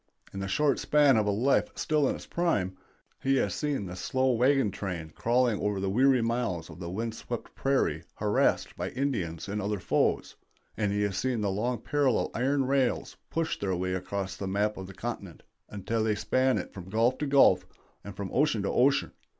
In the short span of a life still in its prime, he has seen the slow wagon train crawling over the weary miles of wind swept prairie harassed by Indians and other foes, and he has seen the long parallel iron rails push their way across the map of the continent until they span it from gulf to gulf and from ocean to ocean.